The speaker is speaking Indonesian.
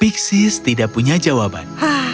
pixies tidak punya jawaban